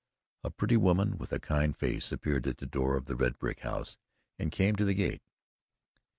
A portly woman with a kind face appeared at the door of the red brick house and came to the gate.